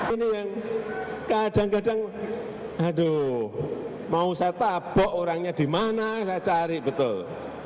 ini yang kadang kadang aduh mau saya tabok orangnya di mana saya cari betul